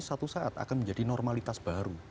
suatu saat akan menjadi normalitas baru